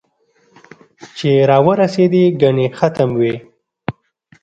چې را ورېسېدې ګنې ختم وې